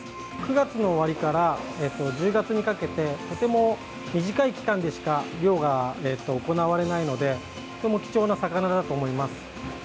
９月の終わりから１０月にかけてとても短い期間でしか漁が行われないのでとても貴重な魚だと思います。